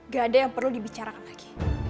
gak ada yang perlu dibicarakan lagi